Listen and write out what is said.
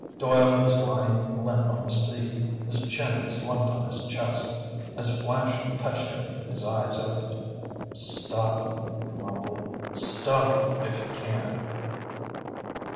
Doyle was lying limp on the seat, his chin slumped on his chest. As Flash touched him, his eyes opened. "Stop 'em," he mumbled. "Stop 'em if you can."